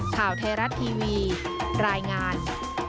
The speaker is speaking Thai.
ข่าวไทยรัฐทีวีรายงาน